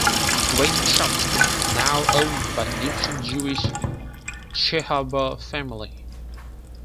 Rainbow Shops is now owned by Egyptian Jewish Chehabar family.